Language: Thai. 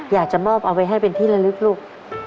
อยากจะมอบเอาไว้ให้เป็นที่ละลึกลูก